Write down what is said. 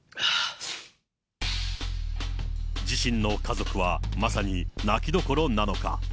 自身の家族はまさに泣きどころなのか。